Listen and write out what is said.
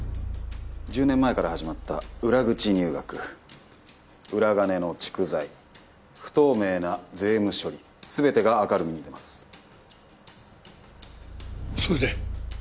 １０年前から始まった裏口入学裏金の蓄財不透明な税務処理全てが明るみに出ますそれで？